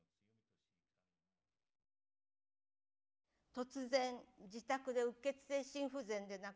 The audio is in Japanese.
突然自宅でうっ血性心不全で亡くなり。